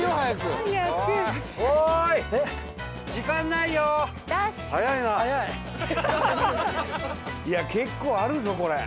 いや結構あるぞこれ。